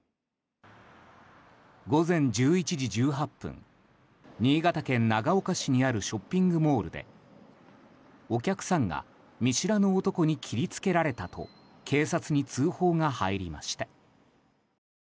午前１１時１８分新潟県長岡市にあるショッピングモールでお客さんが見知らぬ男に切り付けられたと警察に通報が入りました。